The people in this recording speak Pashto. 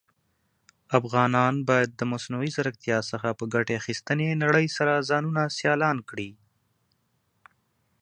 افغانان بايد د مصنوعى ځيرکتيا څخه په ګټي اخيستنې نړئ سره ځانونه سيالان کړى.